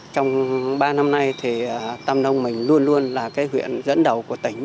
trong ba năm nay thì tâm đông mình luôn luôn là cái huyện dẫn đầu của tỉnh